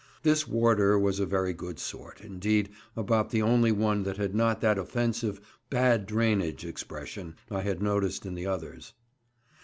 This warder was a very good sort—indeed, about the only one that had not that offensive "bad drainage" expression I had noticed in the others.